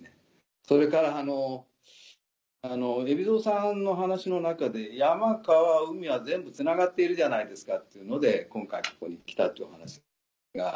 それから海老蔵さんの話の中で「山川海は全部つながっているじゃないですか」というので今回ここに来たというお話が。